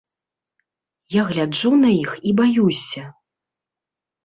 Я гляджу на іх і баюся.